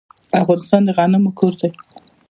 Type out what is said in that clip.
افغانستان د غنمو کور دی.